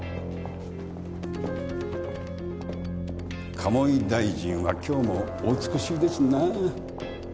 鴨井大臣は今日もお美しいですな。